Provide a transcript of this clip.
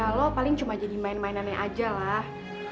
ya lo paling cuma jadi main mainannya aja lah